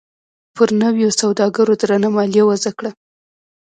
پر نویو سوداګرو درنه مالیه وضعه کړه.